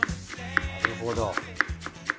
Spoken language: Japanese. なるほど。